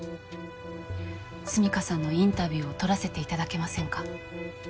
純夏さんのインタビューを撮らせていただけませんか？